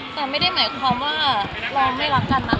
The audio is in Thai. แต่ไม่ได้หมายความว่าเราไม่รักกันนะ